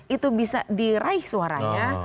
itu bisa diraih suaranya